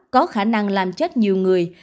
có khả năng làm chết nhiều người